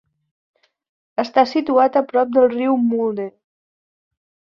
Està situat a prop del riu Mulde.